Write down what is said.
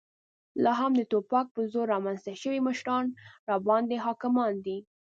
لا هم د توپک په زور رامنځته شوي مشران راباندې حاکمان دي.